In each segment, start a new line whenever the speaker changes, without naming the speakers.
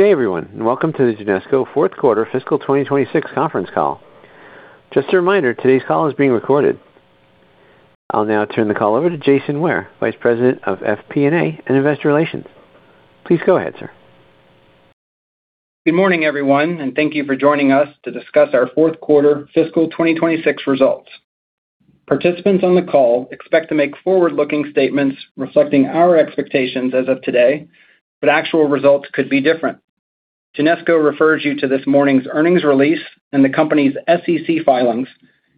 Good day, everyone, welcome to the Genesco Fourth Quarter Fiscal 2026 Conference Call. Just a reminder, today's call is being recorded. I'll now turn the call over to Jason Ware, Vice President of FP&A and Investor Relations. Please go ahead, sir.
Good morning, everyone, and thank you for joining us to discuss our 4th quarter fiscal 2026 results. Participants on the call expect to make forward-looking statements reflecting our expectations as of today, actual results could be different. Genesco refers you to this morning's earnings release and the company's SEC filings,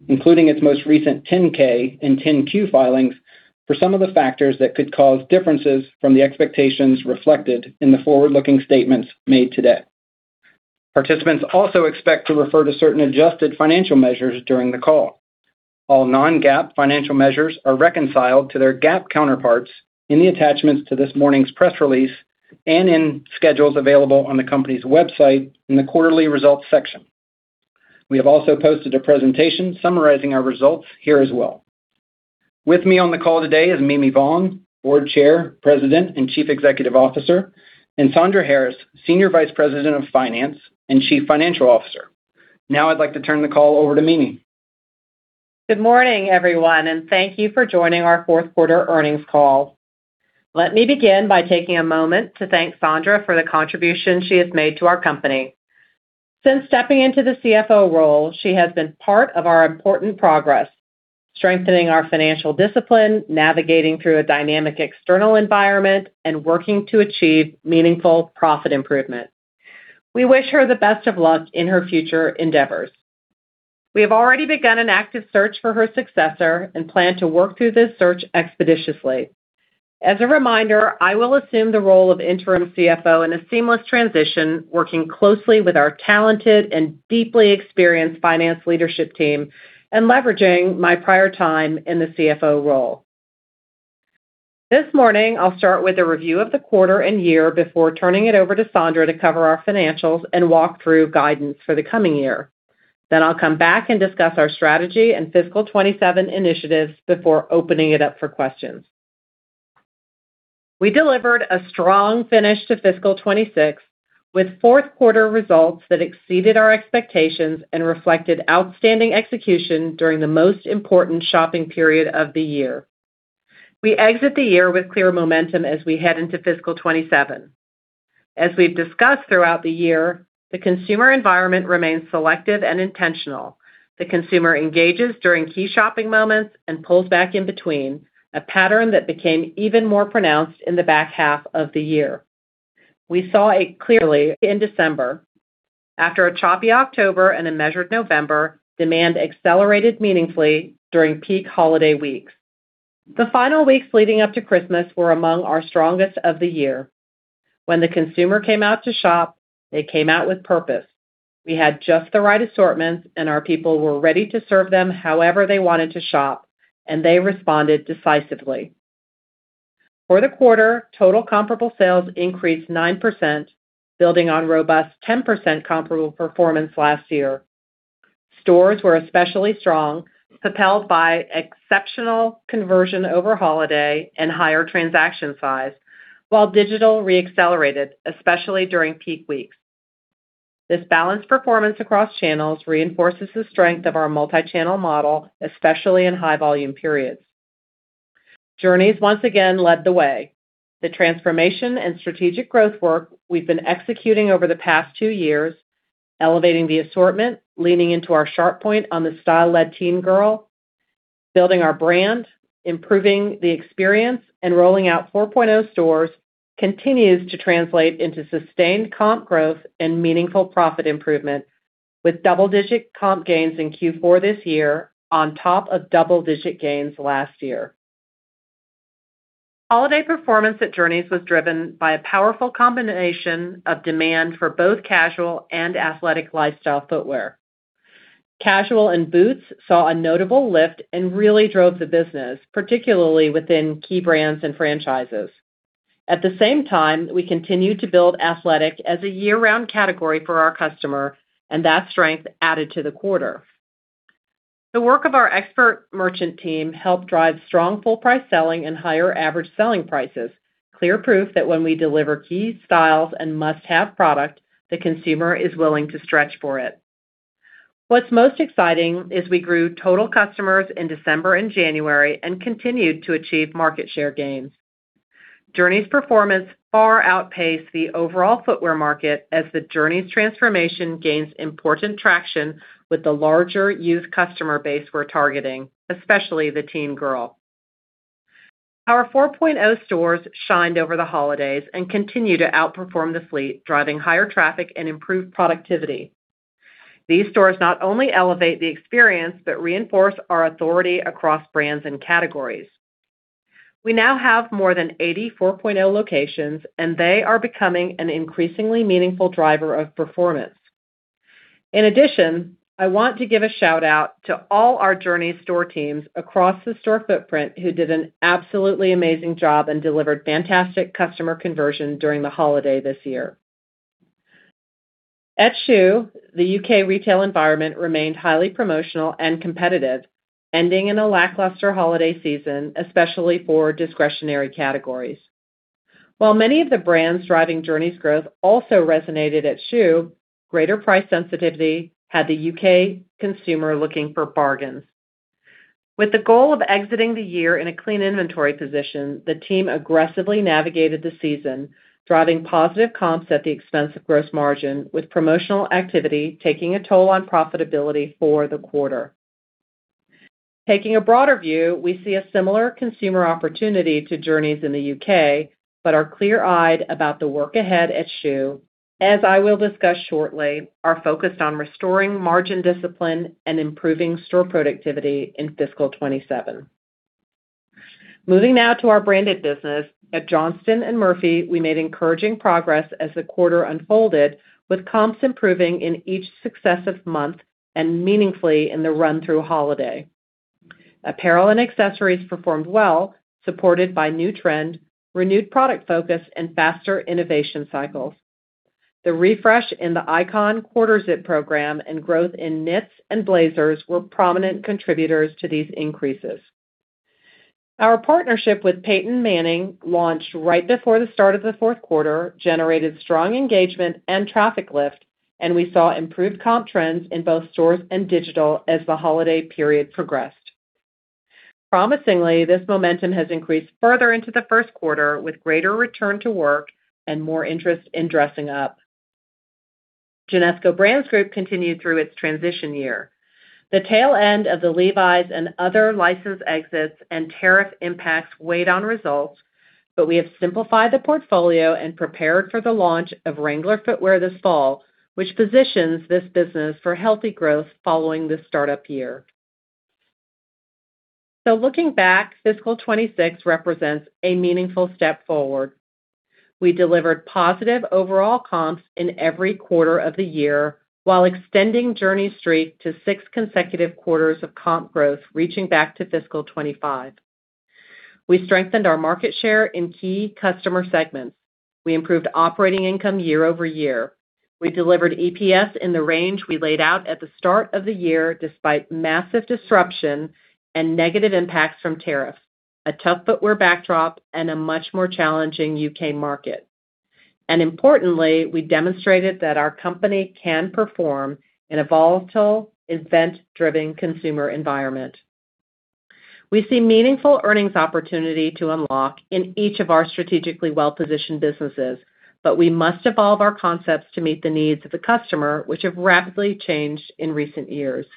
including its most recent 10-K and 10-Q filings, for some of the factors that could cause differences from the expectations reflected in the forward-looking statements made today. Participants also expect to refer to certain adjusted financial measures during the call. All non-GAAP financial measures are reconciled to their GAAP counterparts in the attachments to this morning's press release and in schedules available on the company's website in the quarterly results section. We have also posted a presentation summarizing our results here as well. With me on the call today is Mimi Vaughn, Board Chair, President, and Chief Executive Officer, and Sandra Harris, Senior Vice President of Finance and Chief Financial Officer. I'd like to turn the call over to Mimi.
Good morning, everyone. Thank you for joining our Fourth Quarter Earnings Call. Let me begin by taking a moment to thank Sandra for the contributions she has made to our company. Since stepping into the CFO role, she has been part of our important progress, strengthening our financial discipline, navigating through a dynamic external environment, and working to achieve meaningful profit improvement. We wish her the best of luck in her future endeavors. We have already begun an active search for her successor and plan to work through this search expeditiously. As a reminder, I will assume the role of interim CFO in a seamless transition, working closely with our talented and deeply experienced finance leadership team and leveraging my prior time in the CFO role. This morning, I'll start with a review of the quarter and year before turning it over to Sandra to cover our financials and walk through guidance for the coming year. I'll come back and discuss our strategy and fiscal 2027 initiatives before opening it up for questions. We delivered a strong finish to fiscal 2026 with fourth quarter results that exceeded our expectations and reflected outstanding execution during the most important shopping period of the year. We exit the year with clear momentum as we head into fiscal 2027. As we've discussed throughout the year, the consumer environment remains selective and intentional. The consumer engages during key shopping moments and pulls back in between, a pattern that became even more pronounced in the back half of the year. We saw it clearly in December. After a choppy October and a measured November, demand accelerated meaningfully during peak holiday weeks. The final weeks leading up to Christmas were among our strongest of the year. When the consumer came out to shop, they came out with purpose. We had just the right assortments, and our people were ready to serve them however they wanted to shop, and they responded decisively. For the quarter, total comparable sales increased 9%, building on robust 10% comparable performance last year. Stores were especially strong, propelled by exceptional conversion over holiday and higher transaction size, while digital re-accelerated, especially during peak weeks. This balanced performance across channels reinforces the strength of our multichannel model, especially in high volume periods. Journeys once again led the way. The transformation and strategic growth work we've been executing over the past two years, elevating the assortment, leaning into our sharp point on the style-led teen girl, building our brand, improving the experience, and rolling out 4.0 stores, continues to translate into sustained comp growth and meaningful profit improvement with double-digit comp gains in Q4 this year on top of double-digit gains last year. Holiday performance at Journeys was driven by a powerful combination of demand for both casual and athletic lifestyle footwear. Casual and boots saw a notable lift and really drove the business, particularly within key brands and franchises. At the same time, we continued to build athletic as a year-round category for our customer, and that strength added to the quarter. The work of our expert merchant team helped drive strong full price selling and higher average selling prices. Clear proof that when we deliver key styles and must-have product, the consumer is willing to stretch for it. What's most exciting is we grew total customers in December and January and continued to achieve market share gains. Journeys performance far outpaced the overall footwear market as the Journeys transformation gains important traction with the larger youth customer base we're targeting, especially the teen girl. Our 4.0 stores shined over the holidays and continue to outperform the fleet, driving higher traffic and improved productivity. These stores not only elevate the experience, but reinforce our authority across brands and categories. We now have more than 84 4.0 locations, and they are becoming an increasingly meaningful driver of performance. In addition, I want to give a shout-out to all our Journeys store teams across the store footprint who did an absolutely amazing job and delivered fantastic customer conversion during the holiday this year. At Schuh, the U.K. retail environment remained highly promotional and competitive, ending in a lackluster holiday season, especially for discretionary categories. While many of the brands driving Journeys growth also resonated at Schuh, greater price sensitivity had the U.K. consumer looking for bargains. With the goal of exiting the year in a clean inventory position, the team aggressively navigated the season, driving positive comps at the expense of gross margin, with promotional activity taking a toll on profitability for the quarter. Taking a broader view, we see a similar consumer opportunity to Journeys in the U.K., but are clear-eyed about the work ahead at Schuh, as I will discuss shortly, are focused on restoring margin discipline and improving store productivity in fiscal 2027. Moving now to our branded business. At Johnston & Murphy, we made encouraging progress as the quarter unfolded, with comps improving in each successive month and meaningfully in the run-through holiday. Apparel and accessories performed well, supported by new trend, renewed product focus and faster innovation cycles. The refresh in the Icon quarter zip program and growth in knits and blazers were prominent contributors to these increases. Our partnership with Peyton Manning launched right before the start of the fourth quarter, generated strong engagement and traffic lift, and we saw improved comp trends in both stores and digital as the holiday period progressed. Promisingly, this momentum has increased further into the first quarter with greater return to work and more interest in dressing up. Genesco Brands Group continued through its transition year. The tail end of the Levi's and other license exits and tariff impacts weighed on results. We have simplified the portfolio and prepared for the launch of Wrangler footwear this fall, which positions this business for healthy growth following the start-up year. Looking back, fiscal 2026 represents a meaningful step forward. We delivered positive overall comps in every quarter of the year while extending Journeys streak to six consecutive quarters of comp growth, reaching back to fiscal 2025. We strengthened our market share in key customer segments. We improved operating income year-over-year. We delivered EPS in the range we laid out at the start of the year, despite massive disruption and negative impacts from tariffs, a tough footwear backdrop and a much more challenging U.K. market. Importantly, we demonstrated that our company can perform in a volatile, event-driven consumer environment. We see meaningful earnings opportunity to unlock in each of our strategically well-positioned businesses, but we must evolve our concepts to meet the needs of the customer, which have rapidly changed in recent years.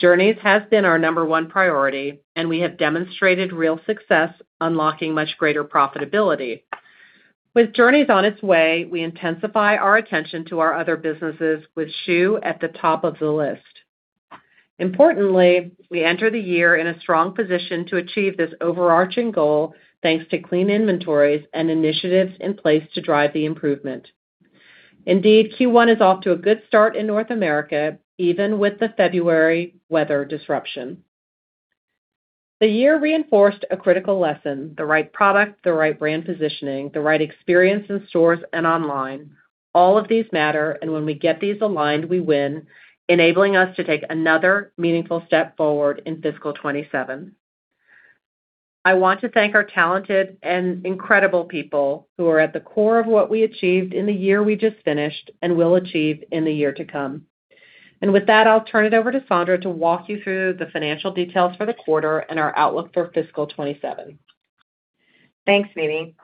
Journeys has been our number one priority, and we have demonstrated real success unlocking much greater profitability. With Journeys on its way, we intensify our attention to our other businesses with Schuh at the top of the list. Importantly, we enter the year in a strong position to achieve this overarching goal thanks to clean inventories and initiatives in place to drive the improvement. Indeed, Q1 is off to a good start in North America, even with the February weather disruption. The year reinforced a critical lesson, the right product, the right brand positioning, the right experience in stores and online. All of these matter, and when we get these aligned, we win, enabling us to take another meaningful step forward in fiscal 2027. I want to thank our talented and incredible people who are at the core of what we achieved in the year we just finished and will achieve in the year to come. With that, I'll turn it over to Sandra to walk you through the financial details for the quarter and our outlook for fiscal 2027.
Thanks, Mimi.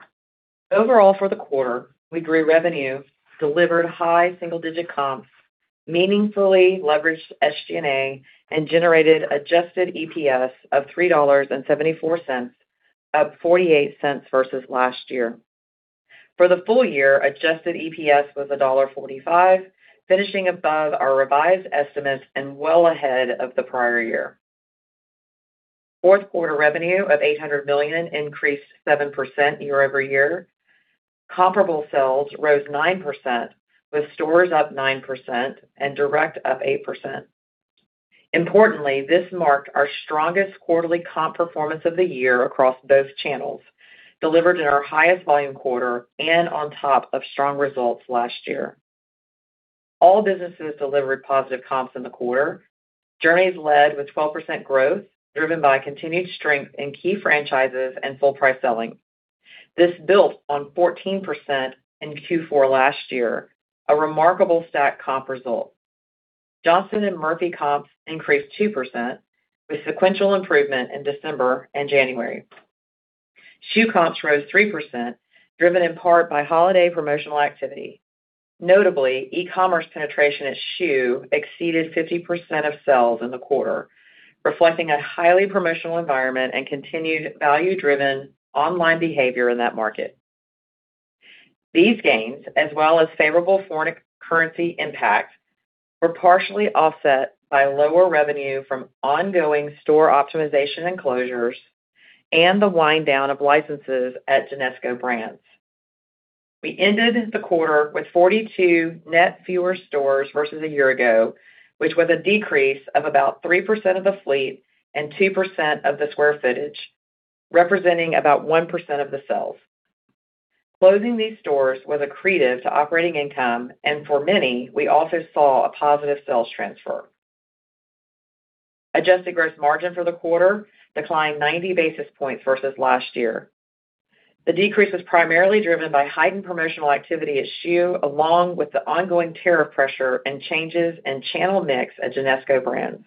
Overall, for the quarter, we grew revenue, delivered high single-digit comps, meaningfully leveraged SG&A, and generated adjusted EPS of $3.74, up $0.48 versus last year. For the full year, adjusted EPS was $1.45, finishing above our revised estimates and well ahead of the prior year. Fourth quarter revenue of $800 million increased 7% year-over-year. Comparable sales rose 9%, with stores up 9% and direct up 8%. Importantly, this marked our strongest quarterly comp performance of the year across both channels, delivered in our highest volume quarter and on top of strong results last year. All businesses delivered positive comps in the quarter. Journeys led with 12% growth, driven by continued strength in key franchises and full price selling. This built on 14% in Q4 last year, a remarkable stack comp result. Johnston & Murphy comps increased 2%, with sequential improvement in December and January. Schuh comps rose 3%, driven in part by holiday promotional activity. Notably, e-commerce penetration at Schuh exceeded 50% of sales in the quarter, reflecting a highly promotional environment and continued value-driven online behavior in that market. These gains, as well as favorable foreign currency impact, were partially offset by lower revenue from ongoing store optimization and closures and the wind down of licenses at Genesco Brands. We ended the quarter with 42 net fewer stores versus a year ago, which was a decrease of about 3% of the fleet and 2% of the square footage. Representing about 1% of the sales. Closing these stores was accretive to operating income, and for many, we also saw a positive sales transfer. Adjusted gross margin for the quarter declined 90 basis points versus last year. The decrease was primarily driven by heightened promotional activity at Schuh, along with the ongoing tariff pressure and changes in channel mix at Genesco Brands.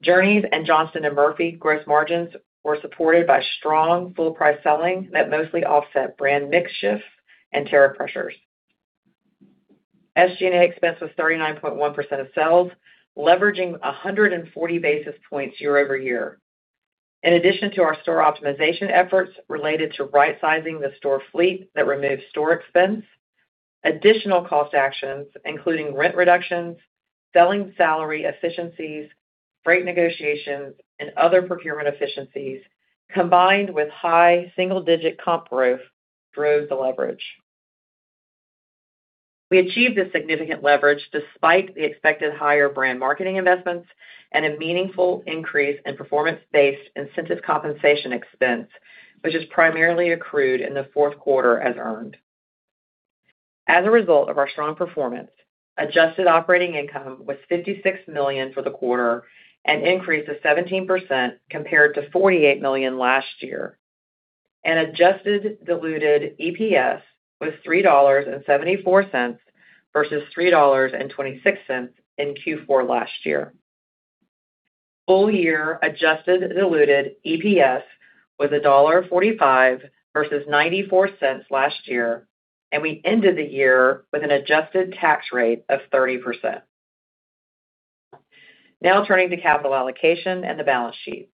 Journeys and Johnston & Murphy gross margins were supported by strong full price selling that mostly offset brand mix shifts and tariff pressures. SG&A expense was 39.1% of sales, leveraging 140 basis points year-over-year. In addition to our store optimization efforts related to rightsizing the store fleet that removed store expense, additional cost actions, including rent reductions, selling salary efficiencies, freight negotiations, and other procurement efficiencies, combined with high single-digit comp growth, drove the leverage. We achieved a significant leverage despite the expected higher brand marketing investments and a meaningful increase in performance-based incentive compensation expense, which is primarily accrued in the fourth quarter as earned. As a result of our strong performance, adjusted operating income was $56 million for the quarter, an increase of 17% compared to $48 million last year. Adjusted diluted EPS was $3.74 versus $3.26 in Q4 last year. Full year adjusted diluted EPS was $1.45 versus $0.94 last year, and we ended the year with an adjusted tax rate of 30%. Now turning to capital allocation and the balance sheet.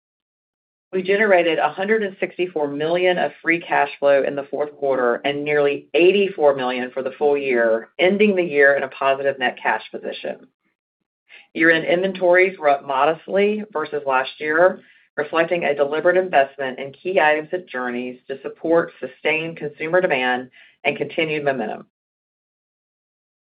We generated $164 million of free cash flow in the fourth quarter and nearly $84 million for the full year, ending the year in a positive net cash position. Year-end inventories were up modestly versus last year, reflecting a deliberate investment in key items at Journeys to support sustained consumer demand and continued momentum.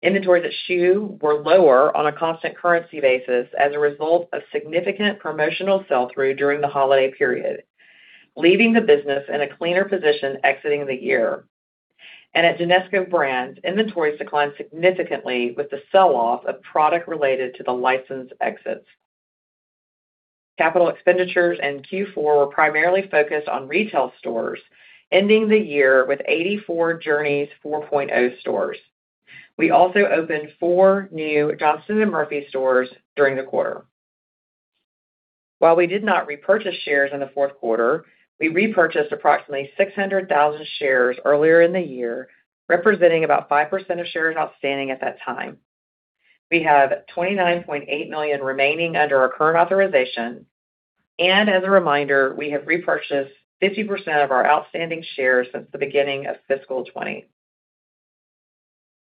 Inventories at Schuh were lower on a constant currency basis as a result of significant promotional sell-through during the holiday period, leaving the business in a cleaner position exiting the year. At Genesco Brands, inventories declined significantly with the sell-off of product related to the license exits. Capital expenditures in Q4 were primarily focused on retail stores, ending the year with 84 Journeys 4.0 stores. We also opened four new Johnston & Murphy stores during the quarter. We did not repurchase shares in the fourth quarter, we repurchased approximately 600,000 shares earlier in the year, representing about 5% of shares outstanding at that time. We have $29.8 million remaining under our current authorization, and as a reminder, we have repurchased 50% of our outstanding shares since the beginning of fiscal 2020.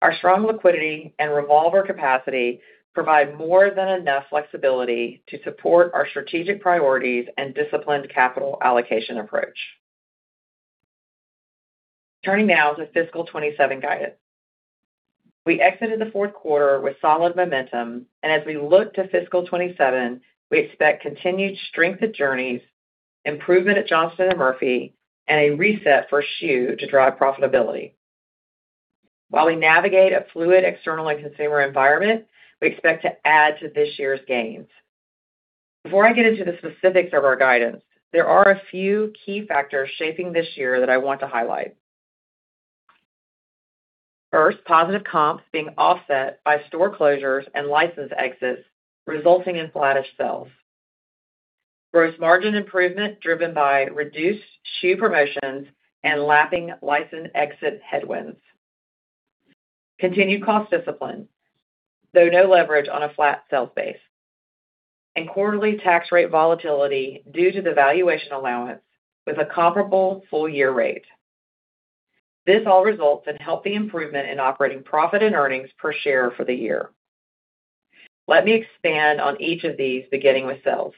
Our strong liquidity and revolver capacity provide more than enough flexibility to support our strategic priorities and disciplined capital allocation approach. Turning now to fiscal 2027 guidance. We exited the fourth quarter with solid momentum, and as we look to fiscal 2027, we expect continued strength at Journeys, improvement at Johnston & Murphy, and a reset for Schuh to drive profitability. While we navigate a fluid external and consumer environment, we expect to add to this year's gains. Before I get into the specifics of our guidance, there are a few key factors shaping this year that I want to highlight. First, positive comps being offset by store closures and license exits, resulting in flattish sales. Gross margin improvement driven by reduced Schuh promotions and lapping license exit headwinds. Continued cost discipline, though no leverage on a flat sales base. Quarterly tax rate volatility due to the valuation allowance with a comparable full-year rate. This all results in healthy improvement in operating profit and earnings per share for the year. Let me expand on each of these, beginning with sales.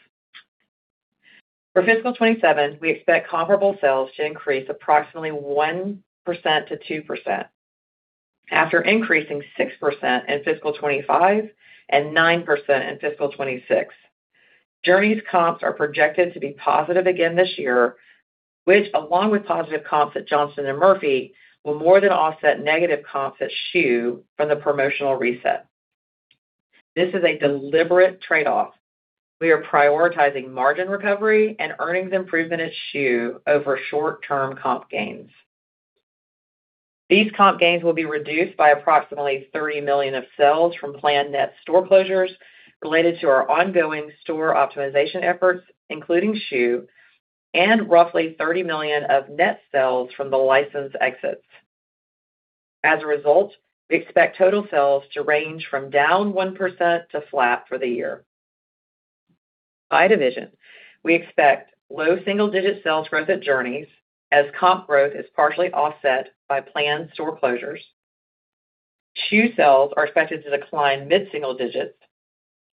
For fiscal 2027, we expect comparable sales to increase approximately 1%-2%. After increasing 6% in fiscal 2025 and 9% in fiscal 2026. Journeys comps are projected to be positive again this year, which, along with positive comps at Johnston & Murphy, will more than offset negative comps at Schuh from the promotional reset. This is a deliberate trade-off. We are prioritizing margin recovery and earnings improvement at Schuh over short-term comp gains. These comp gains will be reduced by approximately $30 million of sales from planned net store closures related to our ongoing store optimization efforts, including Schuh and roughly $30 million of net sales from the license exits. As a result, we expect total sales to range from down 1% to flat for the year. By division, we expect low single-digit sales growth at Journeys as comp growth is partially offset by planned store closures. Schuh sales are expected to decline mid-single digits,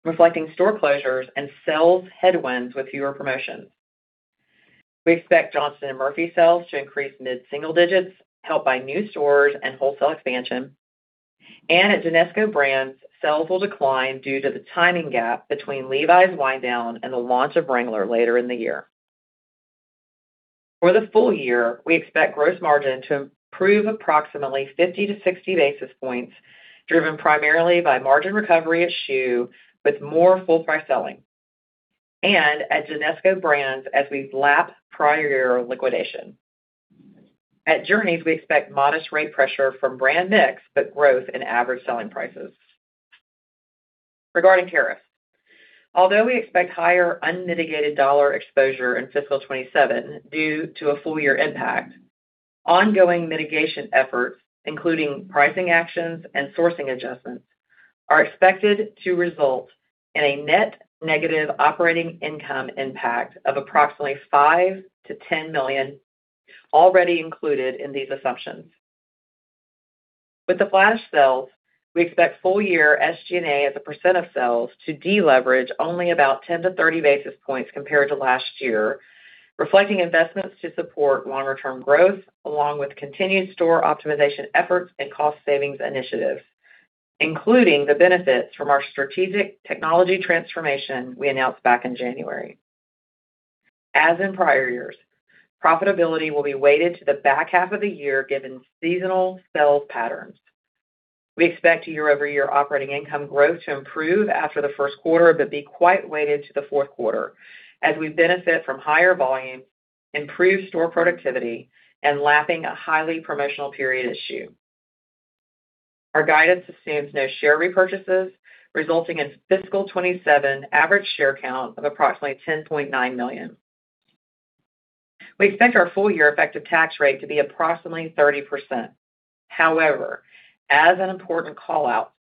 reflecting store closures and sales headwinds with fewer promotions. We expect Johnston & Murphy sales to increase mid-single digits, helped by new stores and wholesale expansion. At Genesco Brands, sales will decline due to the timing gap between Levi's wind down and the launch of Wrangler later in the year. For the full year, we expect gross margin to improve approximately 50-60 basis points, driven primarily by margin recovery at Schuh with more full price selling, and at Genesco Brands as we lap prior year liquidation. At Journeys, we expect modest rate pressure from brand mix, but growth in average selling prices. Regarding tariffs, although we expect higher unmitigated dollar exposure in fiscal 2027 due to a full year impact, ongoing mitigation efforts, including pricing actions and sourcing adjustments, are expected to result in a net negative operating income impact of approximately $5 million-$10 million already included in these assumptions. With the flash sales, we expect full year SG&A as a percent of sales to deleverage only about 10-30 basis points compared to last year, reflecting investments to support longer term growth along with continued store optimization efforts and cost savings initiatives, including the benefits from our strategic technology transformation we announced back in January. As in prior years, profitability will be weighted to the back half of the year given seasonal sales patterns. We expect year-over-year operating income growth to improve after the first quarter, but be quite weighted to the fourth quarter as we benefit from higher volume, improved store productivity, and lapping a highly promotional period at Schuh. Our guidance assumes no share repurchases, resulting in fiscal 2027 average share count of approximately 10.9 million. We expect our full-year effective tax rate to be approximately 30%. As an important call-out,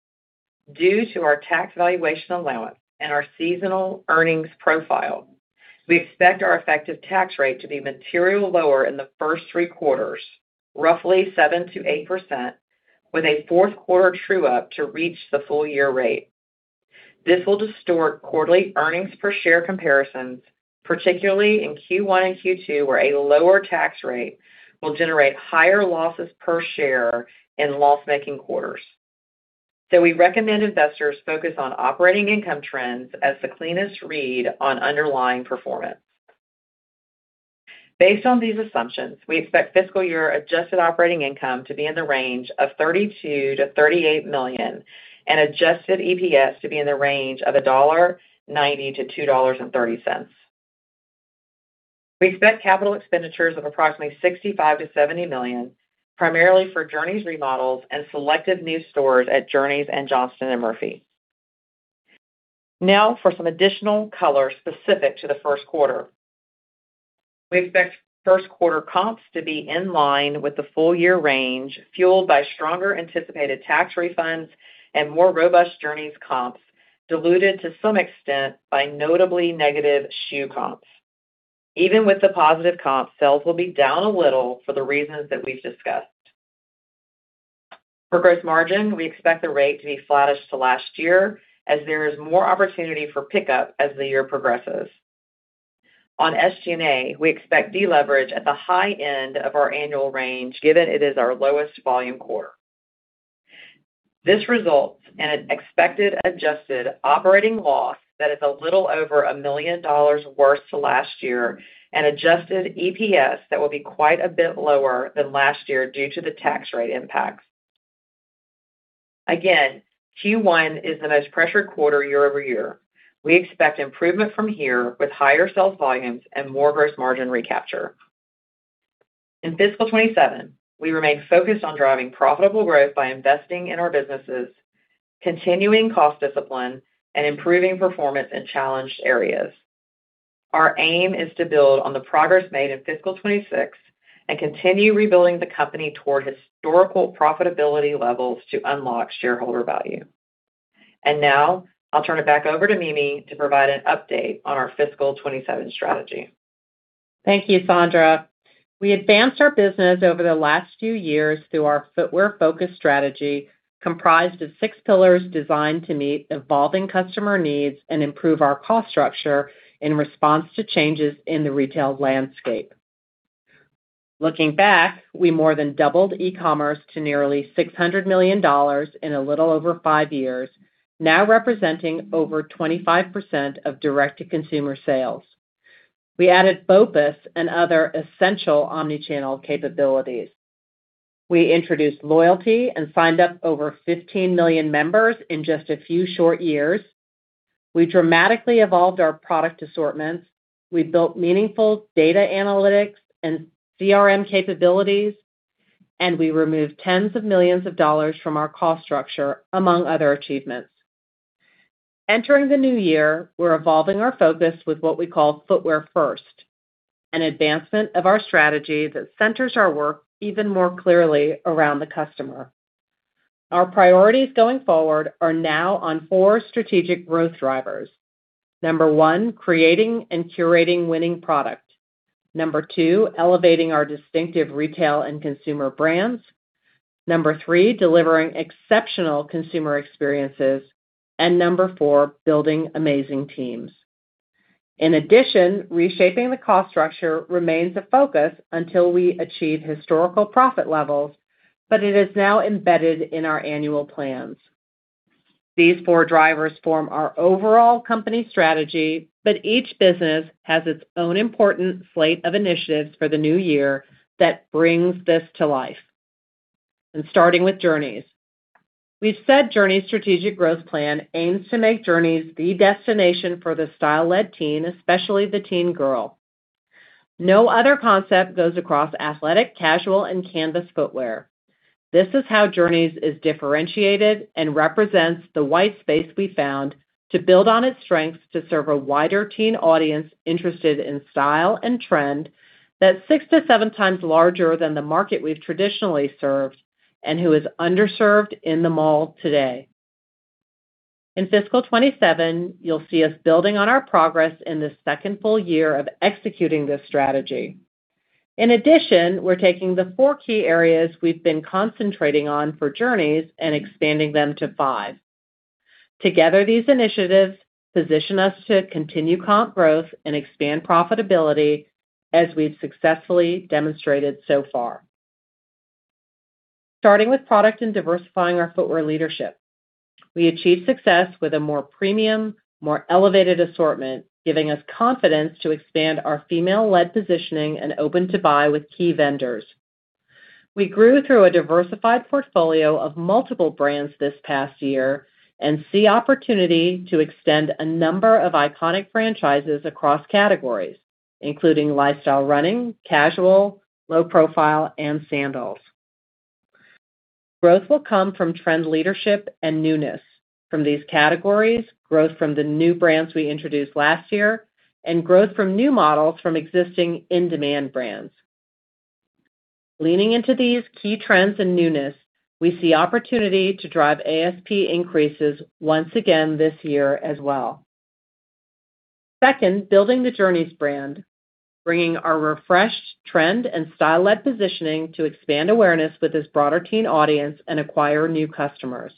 due to our tax valuation allowance and our seasonal earnings profile, we expect our effective tax rate to be materially lower in the first three quarters, roughly 7%-8%, with a fourth quarter true up to reach the full year rate. This will distort quarterly earnings per share comparisons, particularly in Q1 and Q2, where a lower tax rate will generate higher losses per share in loss-making quarters. We recommend investors focus on operating income trends as the cleanest read on underlying performance. Based on these assumptions, we expect fiscal year adjusted operating income to be in the range of $32 million-$38 million and adjusted EPS to be in the range of $1.90-$2.30. We expect capital expenditures of approximately $65 million-$70 million, primarily for Journeys remodels and selective new stores at Journeys and Johnston & Murphy. For some additional color specific to the first quarter. We expect first quarter comps to be in line with the full year range, fueled by stronger anticipated tax refunds and more robust Journeys comps, diluted to some extent by notably negative Schuh comps. Even with the positive comps, sales will be down a little for the reasons that we've discussed. For gross margin, we expect the rate to be flattish to last year as there is more opportunity for pickup as the year progresses. On SG&A, we expect deleverage at the high end of our annual range, given it is our lowest volume quarter. This results in an expected adjusted operating loss that is a little over $1 million worse to last year and adjusted EPS that will be quite a bit lower than last year due to the tax rate impacts. Q1 is the most pressured quarter year-over-year. We expect improvement from here with higher sales volumes and more gross margin recapture. In fiscal 2027, we remain focused on driving profitable growth by investing in our businesses, continuing cost discipline, and improving performance in challenged areas. Our aim is to build on the progress made in fiscal 2026 and continue rebuilding the company toward historical profitability levels to unlock shareholder value. Now I'll turn it back over to Mimi to provide an update on our fiscal 2027 strategy.
Thank you, Sandra. We advanced our business over the last few years through our footwear-focused strategy comprised of six pillars designed to meet evolving customer needs and improve our cost structure in response to changes in the retail landscape. Looking back, we more than doubled e-commerce to nearly $600 million in a little over five years, now representing over 25% of direct-to-consumer sales. We added BOPUS and other essential omni-channel capabilities. We introduced loyalty and signed up over 15 million members in just a few short years. We dramatically evolved our product assortments. We built meaningful data analytics and CRM capabilities, and we removed tens of millions of dollars from our cost structure, among other achievements. Entering the new year, we're evolving our focus with what we call Footwear First, an advancement of our strategy that centers our work even more clearly around the customer. Our priorities going forward are now on four strategic growth drivers. Number one, creating and curating winning product. Number two, elevating our distinctive retail and consumer brands. Number three, delivering exceptional consumer experiences. Number four, building amazing teams. In addition, reshaping the cost structure remains a focus until we achieve historical profit levels, but it is now embedded in our annual plans. These four drivers form our overall company strategy, but each business has its own important slate of initiatives for the new year that brings this to life. Starting with Journeys. We've said Journeys strategic growth plan aims to make Journeys the destination for the style-led teen, especially the teen girl. No other concept goes across athletic, casual, and canvas footwear. This is how Journeys is differentiated and represents the wide space we found to build on its strengths to serve a wider teen audience interested in style and trend that's 6x-7x larger than the market we've traditionally served and who is underserved in the mall today. In fiscal 2027, you'll see us building on our progress in the second full year of executing this strategy. In addition, we're taking the four key areas we've been concentrating on for Journeys and expanding them to five. Together, these initiatives position us to continue comp growth and expand profitability as we've successfully demonstrated so far. Starting with product and diversifying our footwear leadership. We achieved success with a more premium, more elevated assortment, giving us confidence to expand our female-led positioning and open-to-buy with key vendors. We grew through a diversified portfolio of multiple brands this past year and see opportunity to extend a number of iconic franchises across categories, including lifestyle running, casual, low profile, and sandals. Growth will come from trend leadership and newness from these categories, growth from the new brands we introduced last year, and growth from new models from existing in-demand brands. Leaning into these key trends and newness, we see opportunity to drive ASP increases once again this year as well. Second, building the Journeys brand, bringing our refreshed trend and style-led positioning to expand awareness with this broader teen audience and acquire new customers.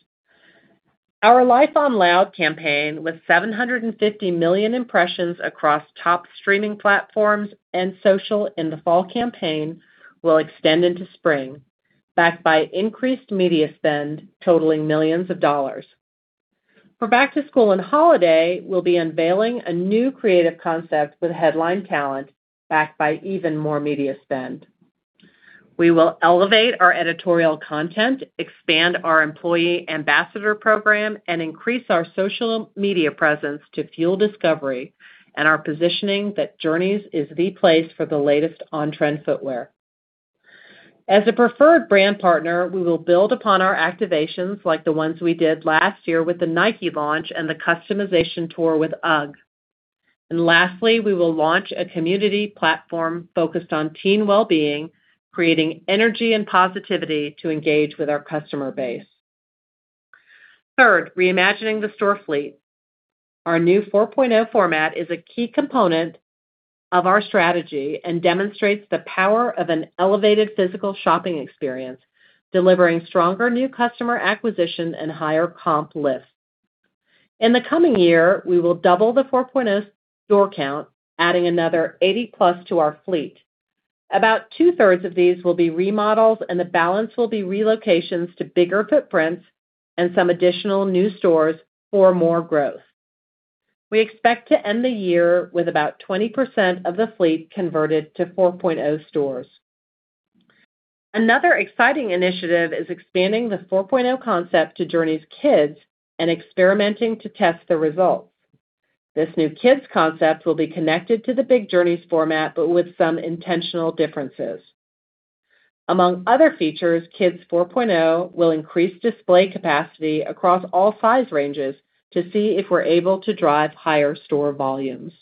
Our Life on Loud campaign, with 750 million impressions across top streaming platforms and social in the fall campaign, will extend into spring, backed by increased media spend totaling millions of dollars. For back to school and holiday, we'll be unveiling a new creative concept with headline talent backed by even more media spend. We will elevate our editorial content, expand our employee ambassador program, and increase our social media presence to fuel discovery and our positioning that Journeys is the place for the latest on-trend footwear. As a preferred brand partner, we will build upon our activations like the ones we did last year with the Nike launch and the customization tour with UGG. Lastly, we will launch a community platform focused on teen well-being, creating energy and positivity to engage with our customer base. Third, reimagining the store fleet. Our new 4.0 format is a key component of our strategy and demonstrates the power of an elevated physical shopping experience, delivering stronger new customer acquisition and higher comp lift. In the coming year, we will double the 4.0 store count, adding another 80+ to our fleet. About 2/3 of these will be remodels, and the balance will be relocations to bigger footprints and some additional new stores for more growth. We expect to end the year with about 20% of the fleet converted to 4.0 stores. Another exciting initiative is expanding the 4.0 concept to Journeys Kidz and experimenting to test the results. This new Kidz concept will be connected to the big Journeys format, but with some intentional differences. Among other features, Kidz 4.0 will increase display capacity across all size ranges to see if we're able to drive higher store volumes.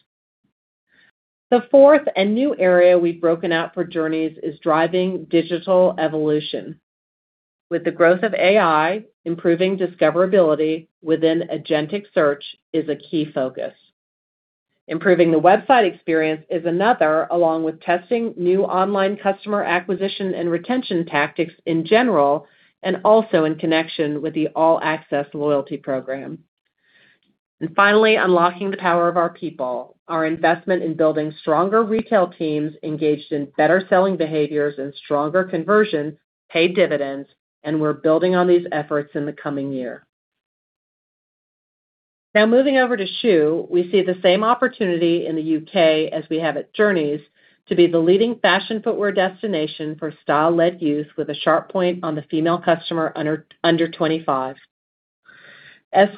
The fourth and new area we've broken out for Journeys is driving digital evolution. With the growth of AI, improving discoverability within agentic search is a key focus. Improving the website experience is another, along with testing new online customer acquisition and retention tactics in general, and also in connection with the All Access loyalty program. Finally, unlocking the power of our people. Our investment in building stronger retail teams engaged in better selling behaviors and stronger conversion paid dividends, and we're building on these efforts in the coming year. Moving over to Schuh, we see the same opportunity in the U.K. as we have at Journeys to be the leading fashion footwear destination for style-led youth with a sharp point on the female customer under 2025.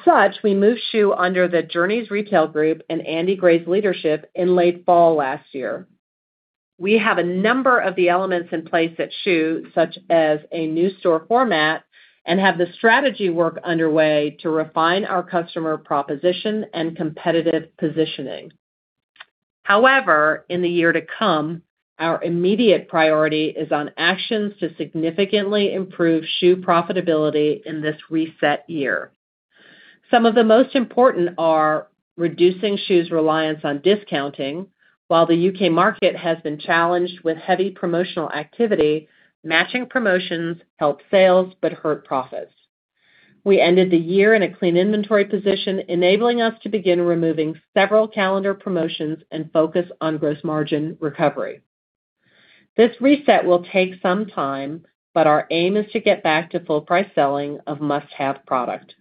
Such, we moved Schuh under the Journeys Retail Group and Andy Gray's leadership in late fall last year. We have a number of the elements in place at Schuh, such as a new store format, and have the strategy work underway to refine our customer proposition and competitive positioning. In the year to come, our immediate priority is on actions to significantly improve Schuh profitability in this reset year. Some of the most important are reducing Schuh's reliance on discounting. While the U.K. market has been challenged with heavy promotional activity, matching promotions help sales but hurt profits. We ended the year in a clean inventory position, enabling us to begin removing several calendar promotions and focus on gross margin recovery. This reset will take some time, but our aim is to get back to full-price selling of must-have product.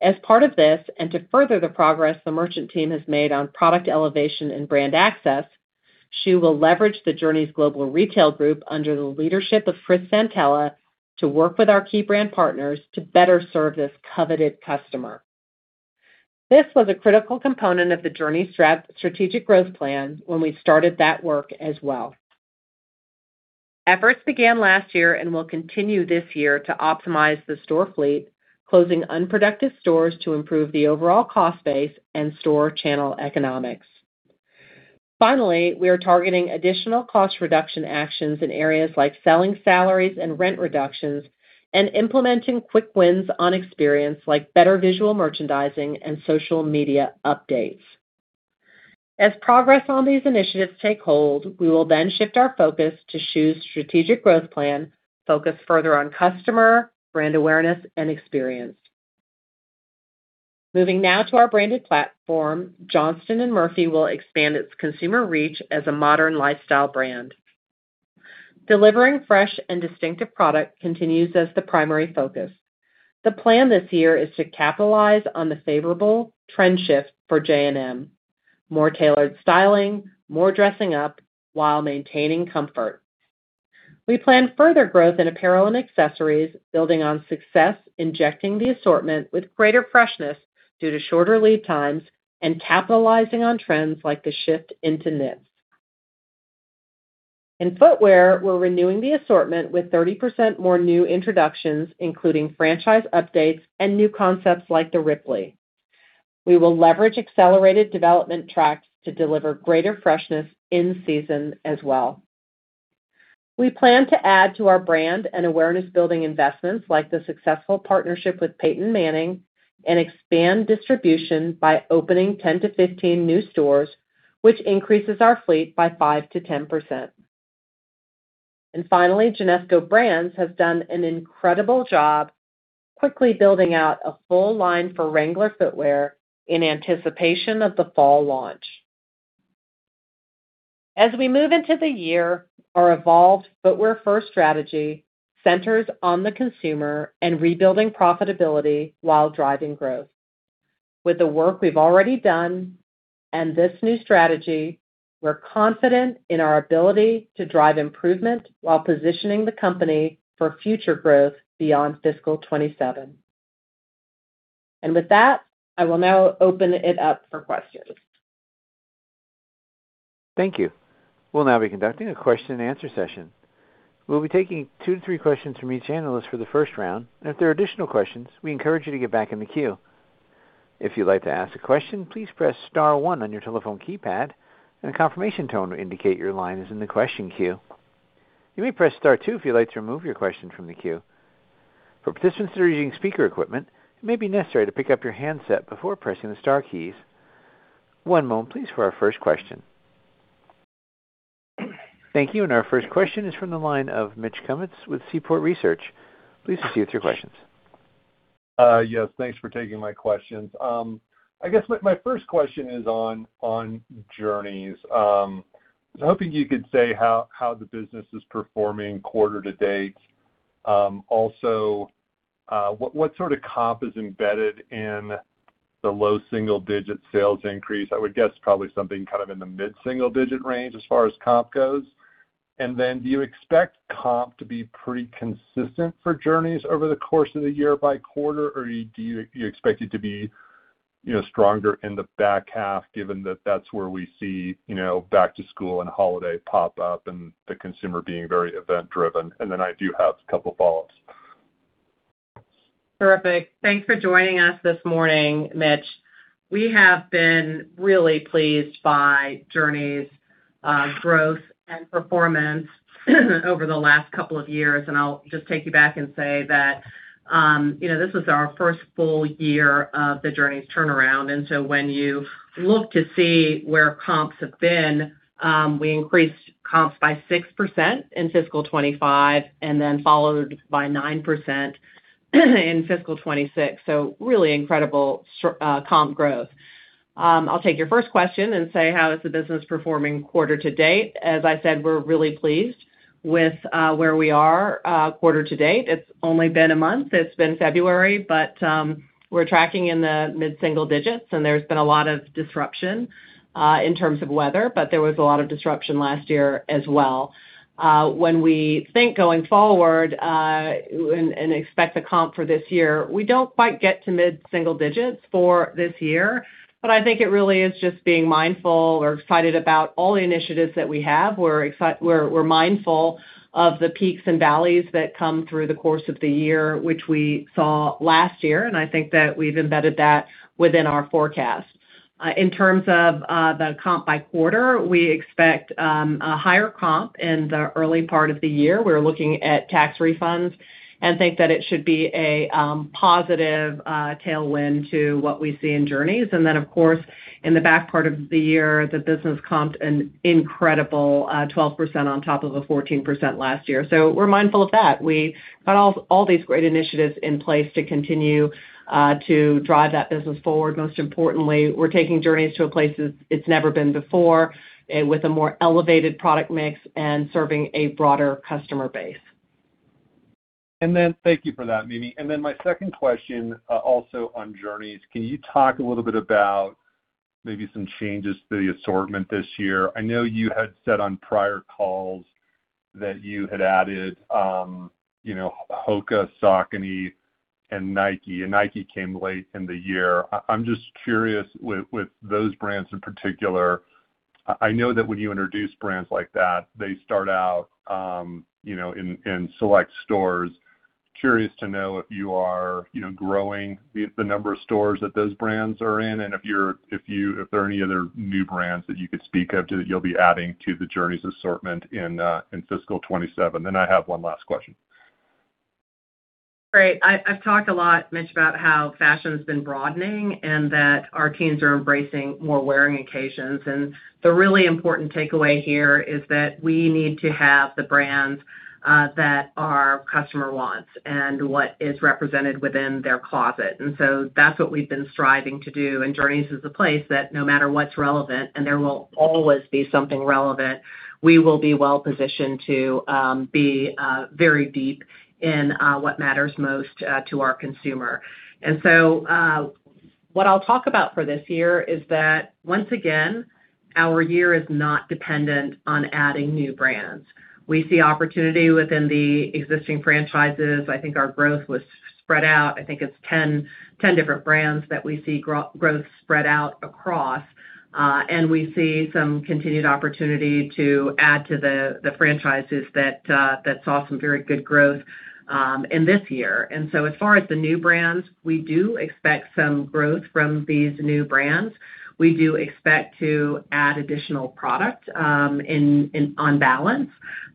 As part of this, to further the progress the merchant team has made on product elevation and brand access, Schuh will leverage the Journeys Global Retail Group under the leadership of Chris Santaella to work with our key brand partners to better serve this coveted customer. This was a critical component of the Journeys strategic growth plan when we started that work as well. Efforts began last year and will continue this year to optimize the store fleet, closing unproductive stores to improve the overall cost base and store channel economics. Finally, we are targeting additional cost reduction actions in areas like selling salaries and rent reductions and implementing quick wins on experience like better visual merchandising and social media updates. As progress on these initiatives take hold, we will then shift our focus to Schuh's strategic growth plan, focus further on customer, brand awareness, and experience. Johnston & Murphy will expand its consumer reach as a modern lifestyle brand. Delivering fresh and distinctive product continues as the primary focus. The plan this year is to capitalize on the favorable trend shift for J&M, more tailored styling, more dressing up while maintaining comfort. We plan further growth in apparel and accessories, building on success, injecting the assortment with greater freshness due to shorter lead times and capitalizing on trends like the shift into knits. In footwear, we're renewing the assortment with 30% more new introductions, including franchise updates and new concepts like the Ripley. We will leverage accelerated development tracks to deliver greater freshness in season as well. We plan to add to our brand and awareness-building investments like the successful partnership with Peyton Manning and expand distribution by opening 10-15 new stores, which increases our fleet by 5%-10%. Finally, Genesco Brands has done an incredible job quickly building out a full line for Wrangler footwear in anticipation of the fall launch. As we move into the year, our evolved footwear first strategy centers on the consumer and rebuilding profitability while driving growth. With the work we've already done and this new strategy, we're confident in our ability to drive improvement while positioning the company for future growth beyond fiscal 2027. With that, I will now open it up for questions.
Thank you. We'll now be conducting a question-and-answer session. We'll be taking two to three questions from each analyst for the first round. If there are additional questions, we encourage you to get back in the queue. If you'd like to ask a question, please press star one on your telephone keypad, and a confirmation tone will indicate your line is in the question queue. You may press star two if you'd like to remove your question from the queue. For participants that are using speaker equipment, it may be necessary to pick up your handset before pressing the star keys. One moment, please, for our first question. Thank you. Our first question is from the line of Mitch Kummetz with Seaport Research. Please proceed with your questions.
Yes, thanks for taking my questions. I guess my first question is on Journeys. I was hoping you could say how the business is performing quarter to date. Also, what sort of comp is embedded in the low single-digit sales increase? I would guess probably something kind of in the mid-single digit range as far as comp goes. Then do you expect comp to be pretty consistent for Journeys over the course of the year by quarter? Or do you expect it to be, you know, stronger in the back half, given that that's where we see, you know, back to school and holiday pop up and the consumer being very event-driven? Then I do have a couple follow-ups.
Terrific. Thanks for joining us this morning, Mitch. We have been really pleased by Journeys', growth and performance over the last couple of years, and I'll just take you back and say that, you know, this is our first full year of the Journeys turnaround. When you look to see where comps have been, we increased comps by 6% in fiscal 2025 and then followed by 9% in fiscal 2026. Really incredible comp growth. I'll take your first question and say, how is the business performing quarter to date? As I said, we're really pleased with where we are, quarter to date. It's only been a month. It's been February, we're tracking in the mid-single digits, and there's been a lot of disruption in terms of weather, but there was a lot of disruption last year as well. When we think going forward, and expect the comp for this year, we don't quite get to mid-single digits for this year. I think it really is just being mindful. We're excited about all the initiatives that we have. We're mindful of the peaks and valleys that come through the course of the year, which we saw last year, and I think that we've embedded that within our forecast. In terms of the comp by quarter, we expect a higher comp in the early part of the year. We're looking at tax refunds and think that it should be a positive tailwind to what we see in Journeys. Of course, in the back part of the year, the business comped an incredible 12% on top of a 14% last year. We're mindful of that. We got all these great initiatives in place to continue to drive that business forward. Most importantly, we're taking Journeys to a place it's never been before with a more elevated product mix and serving a broader customer base.
Thank you for that, Mimi. My second question, also on Journeys. Can you talk a little bit about maybe some changes to the assortment this year? I know you had said on prior calls that you had added, you know, Hoka, Saucony, and Nike, and Nike came late in the year. I'm just curious with those brands in particular, I know that when you introduce brands like that, they start out, you know, in select stores. Curious to know if you are, you know, growing the number of stores that those brands are in, and if there are any other new brands that you could speak of to that you'll be adding to the Journeys assortment in fiscal 2027. I have one last question.
Great. I've talked a lot, Mitch, about how fashion's been broadening and that our teens are embracing more wearing occasions. The really important takeaway here is that we need to have the brands that our customer wants and what is represented within their closet. That's what we've been striving to do. Journeys is the place that no matter what's relevant, and there will always be something relevant, we will be well positioned to be very deep in what matters most to our consumer. What I'll talk about for this year is that, once again, our year is not dependent on adding new brands. We see opportunity within the existing franchises. I think our growth was spread out. I think it's 10 different brands that we see growth spread out across. We see some continued opportunity to add to the franchises that saw some very good growth in this year. As far as the new brands, we do expect some growth from these new brands. We do expect to add additional product on balance.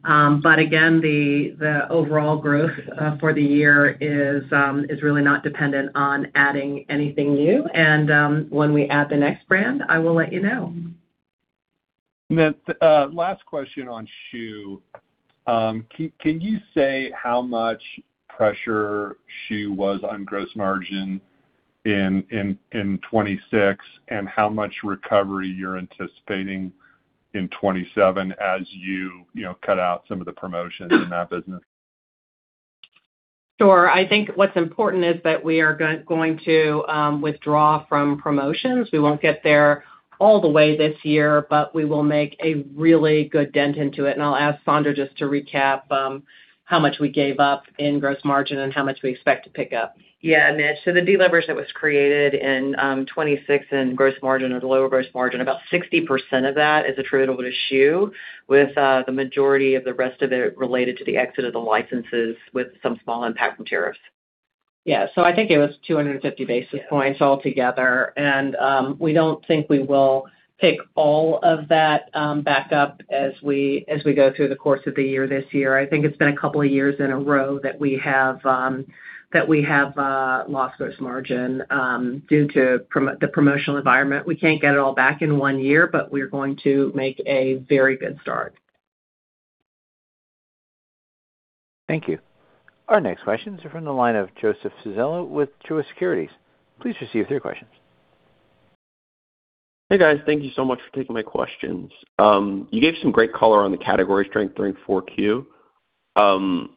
Again, the overall growth for the year is really not dependent on adding anything new. When we add the next brand, I will let you know.
Last question on Schuh. Can you say how much pressure Schuh was on gross margin in 2026 and how much recovery you're anticipating in 2027 as you know, cut out some of the promotions in that business?
Sure. I think what's important is that we are going to withdraw from promotions. We won't get there all the way this year, we will make a really good dent into it. I'll ask Sandra just to recap how much we gave up in gross margin and how much we expect to pick up.
Yeah, Mitch. The deleverage that was created in 2026 in gross margin or the lower gross margin, about 60% of that is attributable to Schuh with the majority of the rest of it related to the exit of the licenses with some small impact from tariffs.
Yeah. I think it was 250 basis points altogether. We don't think we will pick all of that back up as we go through the course of the year this year. I think it's been a couple of years in a row that we have that we have lost gross margin due to the promotional environment. We can't get it all back in one year, but we're going to make a very good start.
Thank you. Our next questions are from the line of Joseph Civello with Truist Securities. Please proceed with your questions.
Hey, guys. Thank you so much for taking my questions. You gave some great color on the category strength during 4Q and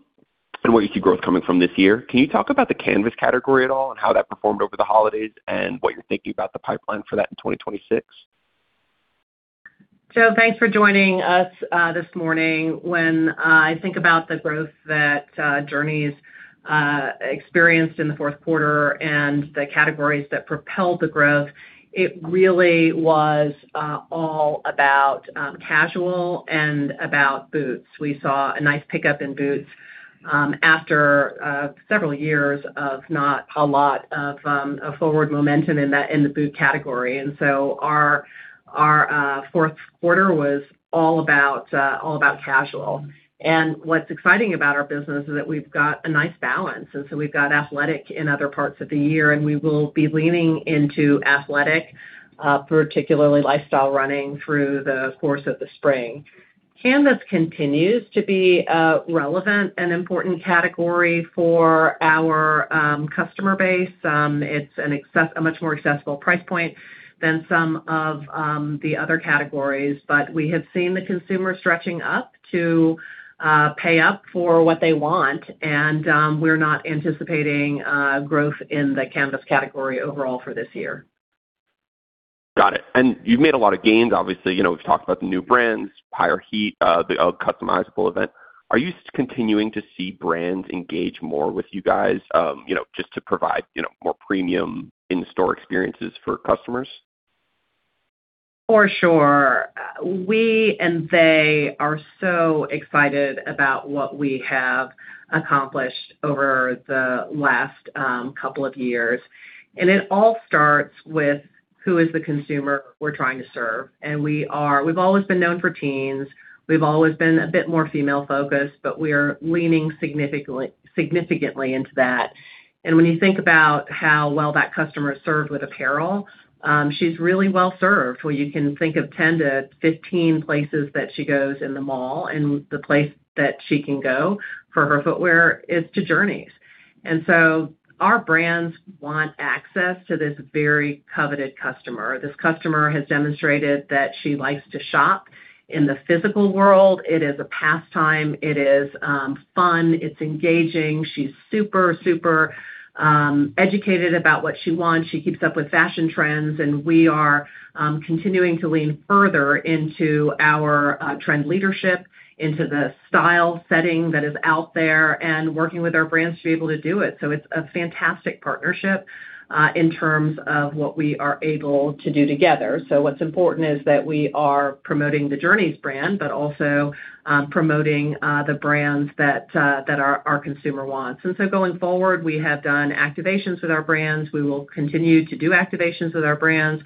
where you see growth coming from this year. Can you talk about the canvas category at all and how that performed over the holidays and what you're thinking about the pipeline for that in 2026?
Joe, thanks for joining us this morning. When I think about the growth that Journeys experienced in the fourth quarter and the categories that propelled the growth, it really was all about casual and about boots. We saw a nice pickup in boots after several years of not a lot of forward momentum in the boot category. Our fourth quarter was all about all about casual. What's exciting about our business is that we've got a nice balance, we've got athletic in other parts of the year, and we will be leaning into athletic, particularly lifestyle running through the course of the spring. Canvas continues to be a relevant and important category for our customer base. It's a much more accessible price point than some of the other categories. We have seen the consumer stretching up to pay up for what they want, and we're not anticipating growth in the canvas category overall for this year.
Got it. You've made a lot of gains. Obviously, you know, we've talked about the new brands, higher heat, the customizable event. Are you continuing to see brands engage more with you guys, you know, just to provide, you know, more premium in-store experiences for customers?
For sure. We, and they are so excited about what we have accomplished over the last couple of years. It all starts with who is the consumer we're trying to serve. We've always been known for teens. We've always been a bit more female-focused, but we're leaning significantly into that. When you think about how well that customer is served with apparel, she's really well-served, where you can think of 10-15 places that she goes in the mall, and the place that she can go for her footwear is to Journeys. So our brands want access to this very coveted customer. This customer has demonstrated that she likes to shop in the physical world. It is a pastime. It is fun. It's engaging. She's super educated about what she wants. She keeps up with fashion trends. We are continuing to lean further into our trend leadership, into the style setting that is out there and working with our brands to be able to do it. It's a fantastic partnership in terms of what we are able to do together. What's important is that we are promoting the Journeys brand, but also promoting the brands that our consumer wants. Going forward, we have done activations with our brands. We will continue to do activations with our brands.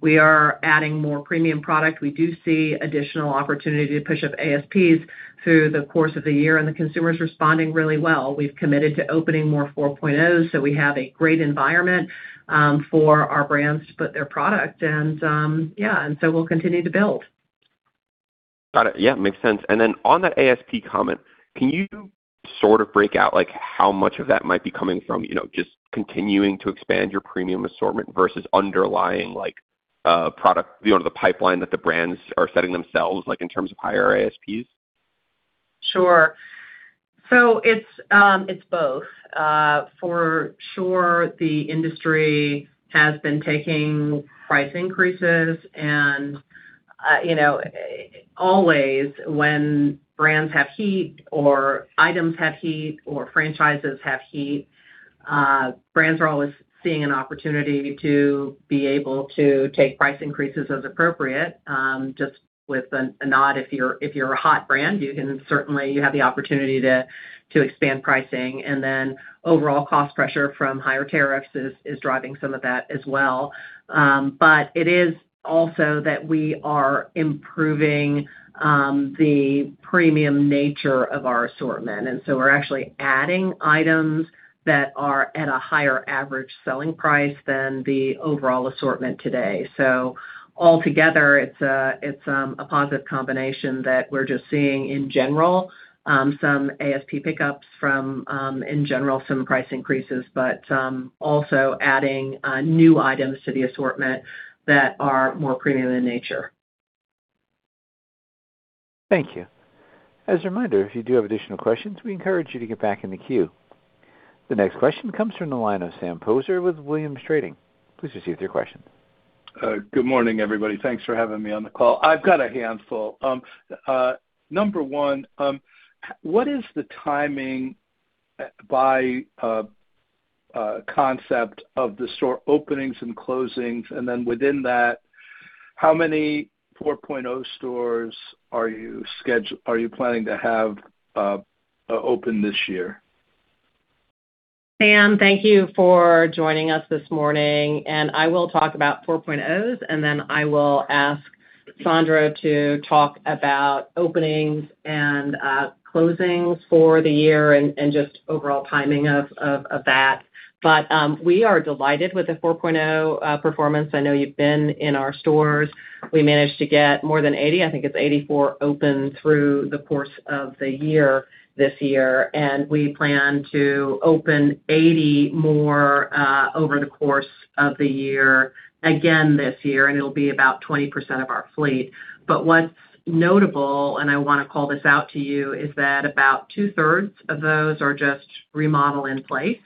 We are adding more premium product. We do see additional opportunity to push up ASPs through the course of the year, and the consumer is responding really well. We've committed to opening more 4.0s, so we have a great environment for our brands to put their product. Yeah we'll continue to build.
Got it. Yeah, makes sense. On that ASP comment, can you sort of break out, like, how much of that might be coming from, you know, just continuing to expand your premium assortment versus underlying, like, product, you know, the pipeline that the brands are setting themselves, like, in terms of higher ASPs?
Sure. It's, it's both. For sure, the industry has been taking price increases and, you know, always when brands have heat or items have heat or franchises have heat, brands are always seeing an opportunity to be able to take price increases as appropriate, just with a nod. If you're, if you're a hot brand, you have the opportunity to expand pricing. Overall cost pressure from higher tariffs is driving some of that as well. It is also that we are improving the premium nature of our assortment. We're actually adding items that are at a higher average selling price than the overall assortment today. Altogether, it's a positive combination that we're just seeing in general, some ASP pickups from, in general some price increases, but also adding new items to the assortment that are more premium in nature.
Thank you. As a reminder, if you do have additional questions, we encourage you to get back in the queue. The next question comes from the line of Sam Poser with Williams Trading. Please proceed with your question.
Good morning, everybody. Thanks for having me on the call. I've got a handful. Number one, what is the timing by concept of the store openings and closings? Then within that, how many 4.0 stores are you planning to have open this year?
Sam, thank you for joining us this morning. I will talk about 4.0s, then I will ask Sandra to talk about openings and closings for the year and just overall timing of that. We are delighted with the 4.0 performance. I know you've been in our stores. We managed to get more than 80, I think it's 84, open through the course of the year this year, and we plan to open 80 more over the course of the year, again this year, and it'll be about 20% of our fleet. What's notable, and I wanna call this out to you, is that about 2/3 of those are just remodel in place,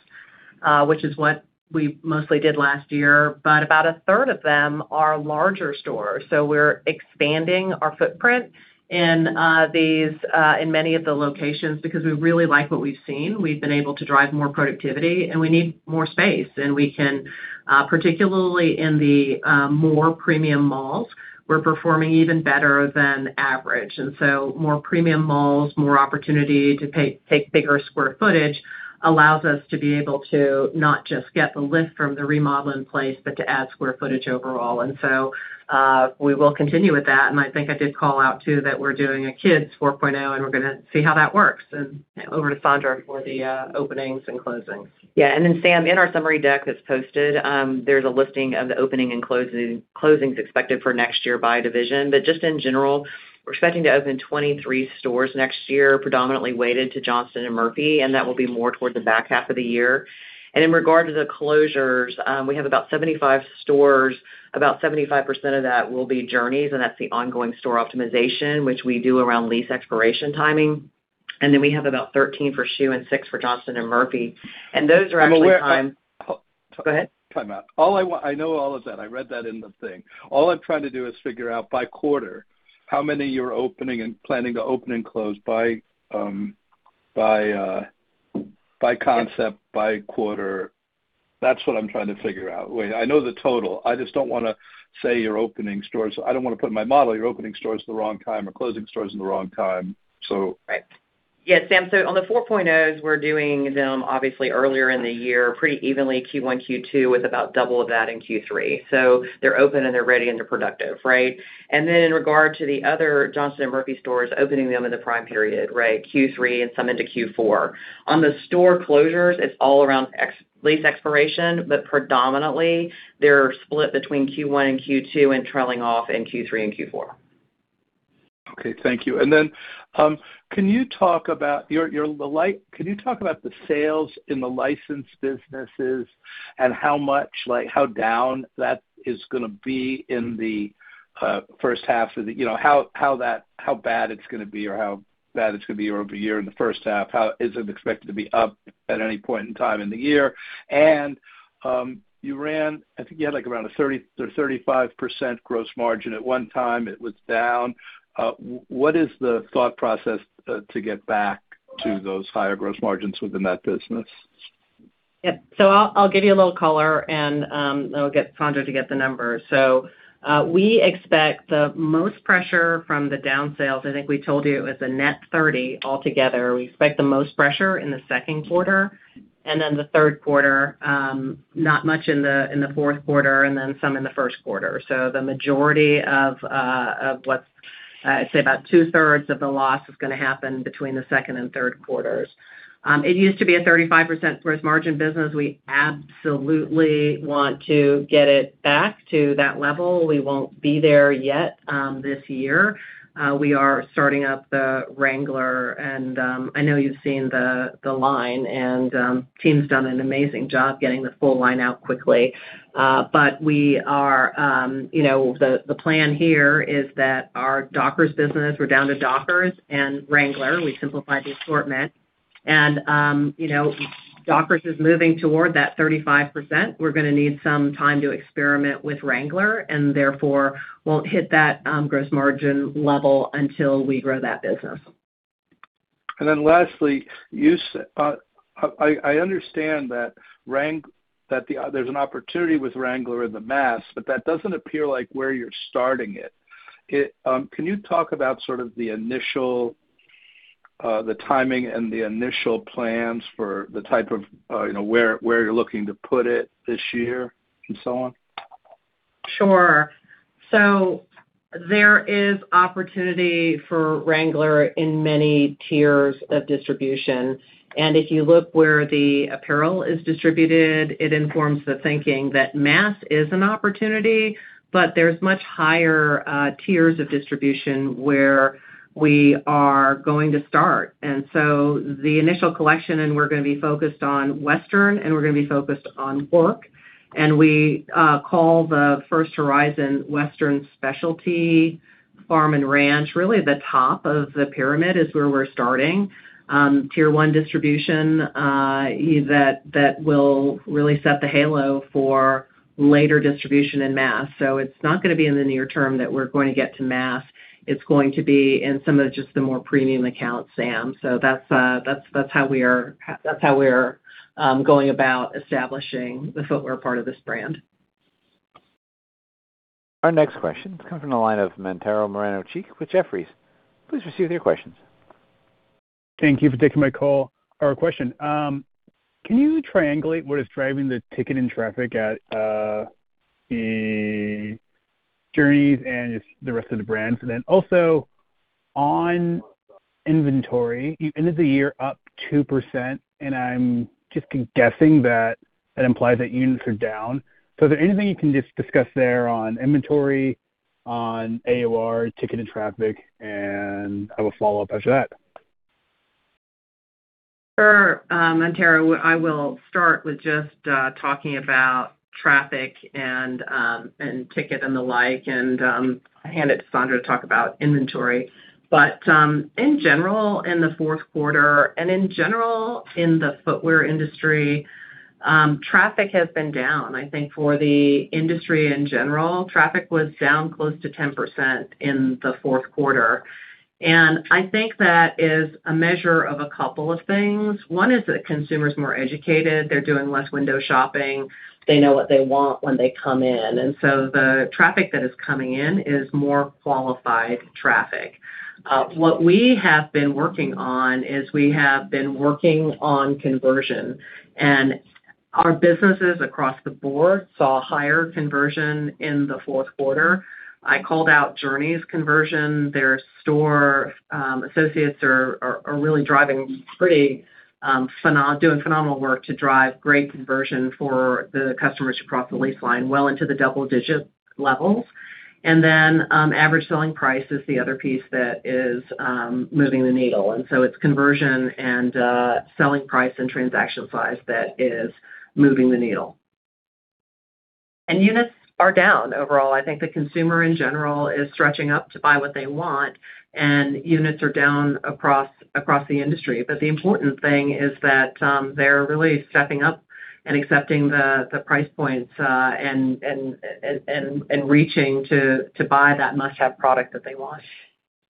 which is what we mostly did last year, but about a third of them are larger stores. We're expanding our footprint in these in many of the locations because we really like what we've seen. We've been able to drive more productivity and we need more space, and we can particularly in the more premium malls, we're performing even better than average. More premium malls, more opportunity to take bigger square footage allows us to be able to not just get the lift from the remodel in place, but to add square footage overall. We will continue with that. I think I did call out too that we're doing a Kidz 4.0, and we're gonna see how that works. Over to Sandra for the openings and closings.
Yeah. Sam, in our summary deck that's posted, there's a listing of the opening and closing, closings expected for next year by division. Just in general, we're expecting to open 23 stores next year, predominantly weighted to Johnston & Murphy, and that will be more towards the back half of the year. In regard to the closures, we have about 75 stores. About 75% of that will be Journeys, and that's the ongoing store optimization, which we do around lease expiration timing. We have about 13 for Schuh and six for Johnston & Murphy. Those are actually.
I'm aware.
Go ahead.
Timeout. I know all of that. I read that in the thing. All I'm trying to do is figure out by quarter how many you're opening and planning to open and close by concept, by quarter. That's what I'm trying to figure out. Wait, I know the total. I just don't wanna say you're opening stores. I don't wanna put my model, you're opening stores at the wrong time or closing stores in the wrong time.
Right. Yes, Sam. On the 4.0s, we're doing them obviously earlier in the year, pretty evenly Q1, Q2, with about double of that in Q3. They're open and they're ready and they're productive, right? In regard to the other Johnston & Murphy stores, opening them in the prime period, right, Q3 and some into Q4. On the store closures, it's all around ex-lease expiration, but predominantly they're split between Q1 and Q2 and trailing off in Q3 and Q4.
Okay, thank you. Can you talk about the sales in the licensed businesses and how much, like how down that is going to be in the first half of the… You know, how bad it's going to be, or how bad it's going to be year-over-year in the first half? How is it expected to be up at any point in time in the year? You ran, I think you had like around a 30%-35% gross margin at one time, it was down. What is the thought process to get back to those higher gross margins within that business?
Yep. I'll give you a little color and I'll get Sandra to get the numbers. We expect the most pressure from the down sales. I think we told you it was a net 30 altogether. We expect the most pressure in the second quarter and then the third quarter, not much in the fourth quarter, and then some in the first quarter. The majority of what's say about two-thirds of the loss is gonna happen between the second and third quarters. It used to be a 35% gross margin business. We absolutely want to get it back to that level. We won't be there yet this year. We are starting up the Wrangler, and I know you've seen the line, and team's done an amazing job getting the full line out quickly. We are, you know, the plan here is that our Dockers business, we're down to Dockers and Wrangler. We simplified the assortment. You know, Dockers is moving toward that 35%. We're gonna need some time to experiment with Wrangler, and therefore won't hit that gross margin level until we grow that business.
Lastly, I understand that there's an opportunity with Wrangler in the mass, but that doesn't appear like where you're starting it. Can you talk about sort of the initial, the timing and the initial plans for the type of, you know, where you're looking to put it this year and so on?
Sure. There is opportunity for Wrangler in many tiers of distribution. If you look where the apparel is distributed, it informs the thinking that mass is an opportunity, but there's much higher tiers of distribution where we are going to start. The initial collection, we're gonna be focused on western, and we're gonna be focused on work. We call the first horizon Western specialty farm and ranch, really the top of the pyramid is where we're starting. Tier one distribution, that will really set the halo for later distribution in mass. It's not gonna be in the near term that we're going to get to mass. It's going to be in some of just the more premium accounts, Sam.That's how we are going about establishing the footwear part of this brand.
Our next question is coming from the line of Mantero Moreno-Cheek with Jefferies. Please proceed with your questions.
Thank you for taking my call or question. Can you triangulate what is driving the ticket and traffic at, the Journeys and just the rest of the brands? Then also on inventory, you ended the year up 2%, and I'm just guessing that it implies that units are down. Is there anything you can just discuss there on inventory, on AUR ticket and traffic? I have a follow-up after that.
Sure, Mantero. I will start with just talking about traffic and ticket and the like, and hand it to Sandra to talk about inventory. In general, in the fourth quarter and in general in the footwear industry, traffic has been down. I think for the industry in general, traffic was down close to 10% in the fourth quarter. I think that is a measure of a couple of things. One is that consumer's more educated. They're doing less window shopping. They know what they want when they come in, and so the traffic that is coming in is more qualified traffic. What we have been working on is we have been working on conversion, and our businesses across the board saw higher conversion in the fourth quarter. I called out Journeys conversion. Their store associates are really driving pretty phenomenal work to drive great conversion for the customers to cross the lease line well into the double-digit levels. Average selling price is the other piece that is moving the needle. It's conversion and selling price and transaction size that is moving the needle. Units are down overall. I think the consumer in general is stretching up to buy what they want and units are down across the industry. The important thing is that they're really stepping up and accepting the price points and reaching to buy that must-have product that they want.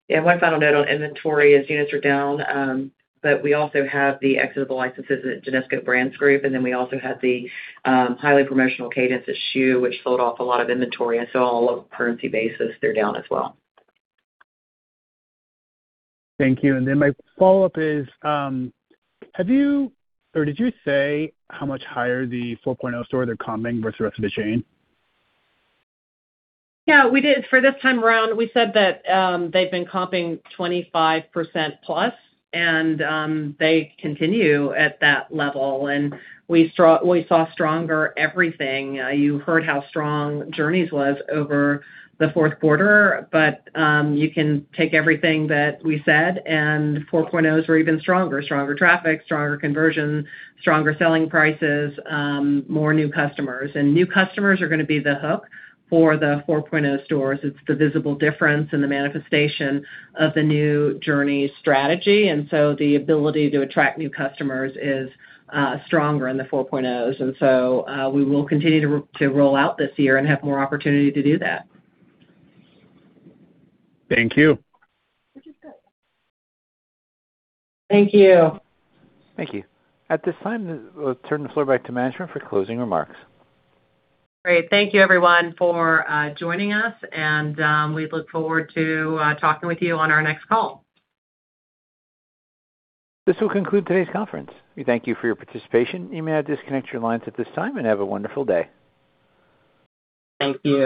Yeah, one final note on inventory is units are down. We also have the exit of the licenses at Genesco Brands Group. We also had the highly promotional cadence at Schuh, which sold off a lot of inventory. On a currency basis, they're down as well.
Thank you. Then my follow-up is, have you or did you say how much higher the 4.0 stores are comping versus the rest of the chain?
Yeah, we did. For this time around, we said that they've been comping 25% plus and they continue at that level. We saw stronger everything. You heard how strong Journeys was over the fourth quarter, but you can take everything that we said, 4.0s were even stronger. Stronger traffic, stronger conversion, stronger selling prices, more new customers. New customers are gonna be the hook for the 4.0 stores. It's the visible difference in the manifestation of the new Journeys strategy. The ability to attract new customers is stronger in the 4.0s. We will continue to roll out this year and have more opportunity to do that.
Thank you.
Thank you.
Thank you. At this time, we'll turn the floor back to management for closing remarks.
Great. Thank you everyone for joining us, and we look forward to talking with you on our next call.
This will conclude today's conference. We thank you for your participation. You may disconnect your lines at this time and have a wonderful day.
Thank you.